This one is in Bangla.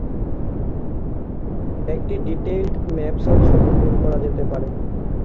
এতে ডিটেইলড ম্যাপস ও ছবি প্রিন্ট করা যেতে পারে।